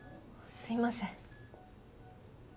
すいません。